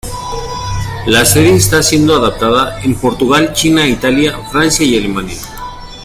La serie está siendo adaptada en Portugal, China, Italia, Francia y Alemania.